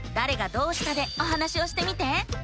「どうした」でお話をしてみて！